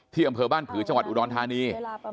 อำเภอบ้านผือจังหวัดอุดรธานี